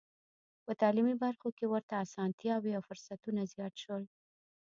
په تعلیمي برخو کې ورته اسانتیاوې او فرصتونه زیات شول.